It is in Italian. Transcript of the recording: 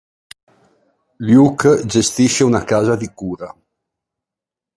Luke gestisce una casa di cura.